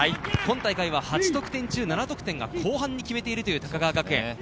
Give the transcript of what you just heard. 本大会は８得点中７得点が後半に決めているという高川学園。